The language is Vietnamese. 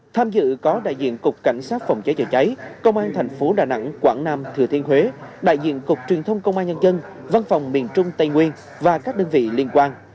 tham dự có đại diện cục cảnh sát phòng cháy chữa cháy công an thành phố đà nẵng quảng nam thừa thiên huế đại diện cục truyền thông công an nhân dân văn phòng miền trung tây nguyên và các đơn vị liên quan